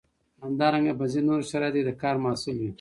همدارنګه په ځینو نورو شرایطو کې د کار محصول وي.